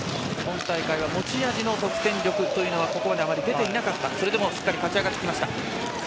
今大会は持ち味の得点力がここまであまり出ていなかったがそれでもしっかり勝ち上がってきた。